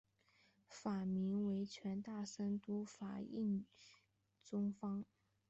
法名为权大僧都法印宗方。